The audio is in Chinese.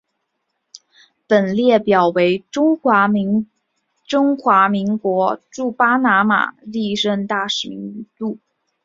本列表为中华民国驻巴拿马历任大使的名录。